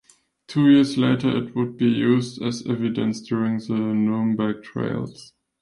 Two years later it would be used as evidence during the Nuremberg Trials.